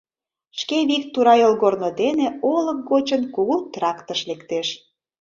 Шке вик тура йолгорно дене, олык гочын, кугу трактыш лектеш.